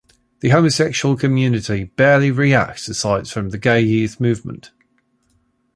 The homosexual community barely reacts, aside from the Gay Youth Movement.